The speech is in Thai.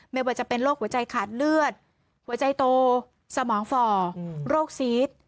ไม่ว่าจะเป็นโรคหัวใจขาดเลือดหัวใจโตสมองฝ่อโรคซีส